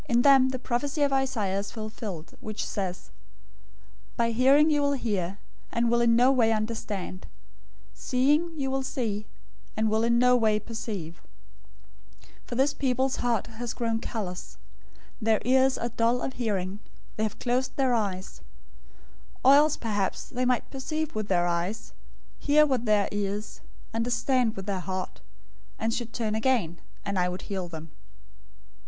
013:014 In them the prophecy of Isaiah is fulfilled, which says, 'By hearing you will hear, and will in no way understand; Seeing you will see, and will in no way perceive: 013:015 for this people's heart has grown callous, their ears are dull of hearing, they have closed their eyes; or else perhaps they might perceive with their eyes, hear with their ears, understand with their heart, and should turn again; and I would heal them.'